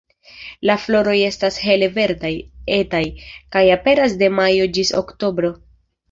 La floroj estas hele verdaj, etaj, kaj aperas de majo ĝis oktobro.